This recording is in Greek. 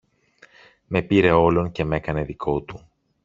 με πήρε όλον και μ' έκανε δικό του.